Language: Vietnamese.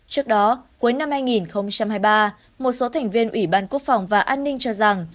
trước đó cuối năm hai nghìn hai mươi ba một số thành viên ủy ban quốc phòng và an ninh cho rằng